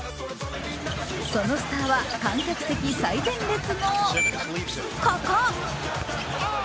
そのスターは観客席最前列のここ！